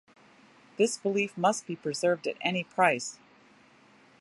This belief must be preserved at any price.